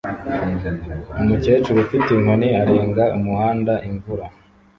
Umukecuru ufite inkoni arenga umuhanda imvura